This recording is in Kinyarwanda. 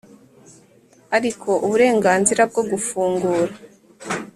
ariko uburenganzira bwo gufungura